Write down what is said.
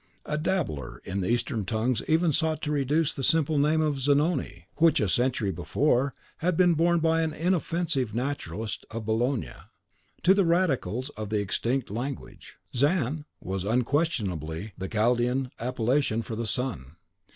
And a dabbler in the Eastern tongues even sought to reduce the simple name of Zanoni, which a century before had been borne by an inoffensive naturalist of Bologna (The author of two works on botany and rare plants.), to the radicals of the extinct language. Zan was unquestionably the Chaldean appellation for the sun.